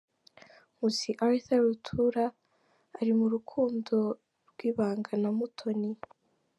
Nkusi Arthur Rutura ari mu rukundo rw’ibanga na Muthoni